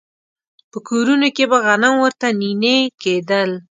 په کورونو کې به غنم ورته نينې کېدل.